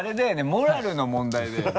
モラルの問題だよね。